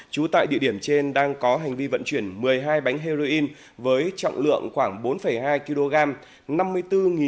trú tại địa điểm trên đang có hành vi vận chuyển một mươi hai bánh heroin với trọng lượng khoảng bốn hai kg